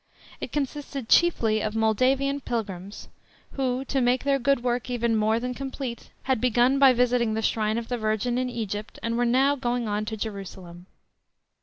It consisted chiefly of Moldavian pilgrims, who to make their good work even more than complete had begun by visiting the shrine of the Virgin in Egypt, and were now going on to Jerusalem.